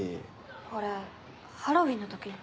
これハロウィーンの時の。